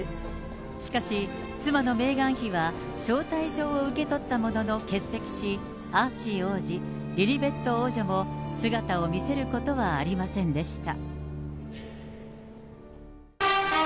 しかし、妻のメーガン妃は招待状を受け取ったものの欠席し、アーチー王子、リリベット王女も姿を見せることはありませんでした。